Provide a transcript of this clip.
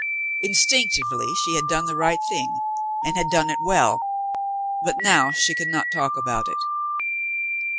Instinctively she had done the right thing and had done 176 The Mountain Girl it well, but now she could not talk about it.